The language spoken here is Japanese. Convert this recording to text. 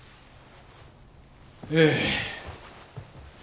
ええ。